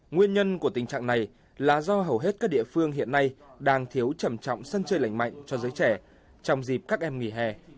nguyên nhân của tình trạng này là do hầu hết các địa phương hiện nay đang thiếu trầm trọng sân chơi lành mạnh cho giới trẻ trong dịp các em nghỉ hè